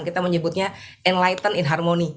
kita menyebutnya enlightened in harmony